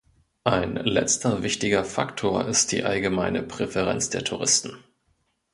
Ein letzter wichtiger Faktor ist die allgemeine Präferenz der Touristen.